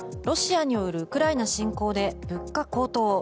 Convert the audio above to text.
ロシアによるウクライナ侵攻で物価高騰。